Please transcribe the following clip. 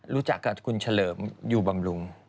รู้จักกับคุณเฉลิมอยู่บำรุง